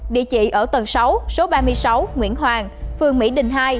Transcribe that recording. địa chỉ ở tầng sáu số ba mươi sáu nguyễn hoàng phường mỹ đình hai